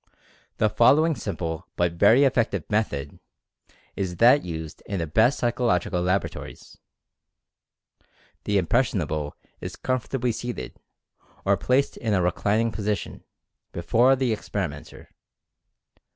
The following simple, but very effective, method is that used in the best psychological laboratories. The "impressionable" is comfortably seated, or placed in a reclining position, before the experimenter.